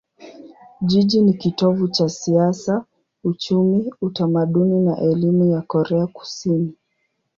Jiji ni kitovu cha siasa, uchumi, utamaduni na elimu ya Korea Kusini.